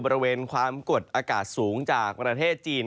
บริเวณความกดอากาศสูงจากประเทศจีน